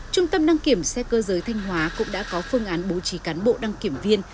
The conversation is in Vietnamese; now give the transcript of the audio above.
trung tâm đăng kiểm xe cơ giới thanh hóa cũng đã có phương án bố trí cán bộ đăng kiểm viên